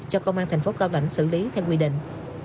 cho công an thành phố cao lãnh xử lý theo quy định